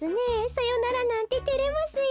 さよならなんててれますよ。